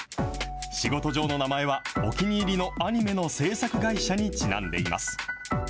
仕事上の名前はお気に入りのアニメの制作会社にちなんでいます。